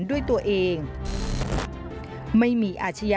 สุดท้าย